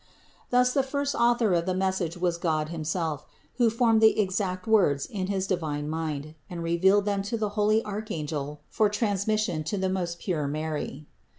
Thus the first Author of the message was God himself, who formed the exact words in his divine mind, and revealed them to the holy archangel for transmission to the most pure Mary.